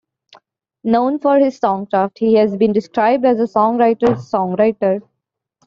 Known for his songcraft, he has been described as a "songwriter's songwriter".